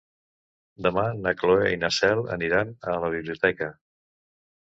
Demà na Cloè i na Cel aniran a la biblioteca.